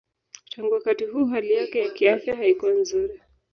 Tangu wakati huo hali yake ya kiafya haikuwa nzuri.